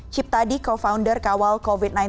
ciptadi co founder kawal covid sembilan belas